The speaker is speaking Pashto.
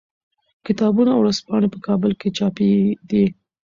کتابونه او ورځپاڼې په کابل کې چاپېدې.